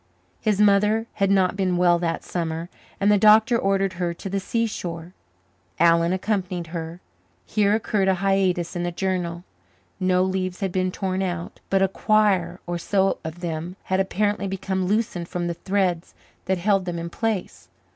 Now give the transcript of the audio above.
His mother had not been well that summer and the doctor ordered her to the seashore. Alan accompanied her. Here occurred a hiatus in the journal. No leaves had been torn out, but a quire or so of them had apparently become loosened from the threads that held them in place.